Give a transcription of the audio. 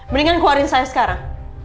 mendingan keluarin saya sekarang